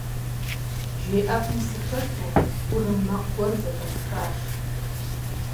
Жей ӀэфӀым сыхэту, гурым макъ гуэр зэхэсхащ.